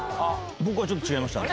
僕はちょっと違いました。